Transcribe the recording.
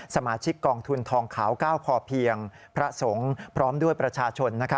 สมาชิกกองทุนทองขาว๙พอเพียงพระสงฆ์พร้อมด้วยประชาชน